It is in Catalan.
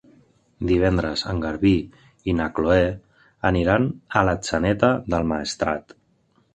Divendres en Garbí i na Chloé aniran a Atzeneta del Maestrat.